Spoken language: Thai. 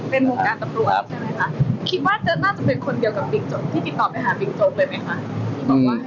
เป็นวงการตำรวจใช่ไหมคะคิดว่าน่าจะเป็นคนเดียวกับบิ๊กโจ๊กที่ติดต่อไปหาบิ๊กโจ๊กเลยไหมคะ